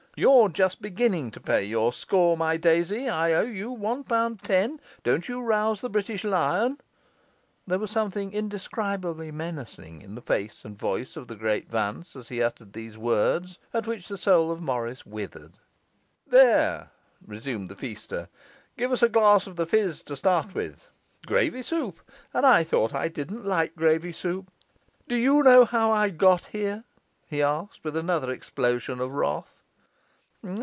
'You're just beginning to pay your score, my daisy; I owe you one pound ten; don't you rouse the British lion!' There was something indescribably menacing in the face and voice of the Great Vance as he uttered these words, at which the soul of Morris withered. 'There!' resumed the feaster, 'give us a glass of the fizz to start with. Gravy soup! And I thought I didn't like gravy soup! Do you know how I got here?' he asked, with another explosion of wrath.